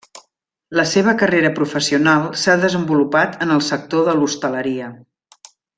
La seva carrera professional s'ha desenvolupat en el sector de l'hostaleria.